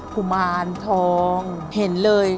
กุมารทองเห็นเลย